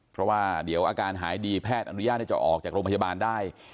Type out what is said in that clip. เพราะว่าเดี๋ยวอาการหายดีแพทย์อนุญาตให้จะออกจากโรงพยาบาลได้